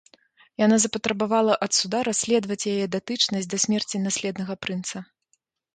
Яна запатрабавала ад суда расследаваць яе датычнасць да смерці наследнага прынца.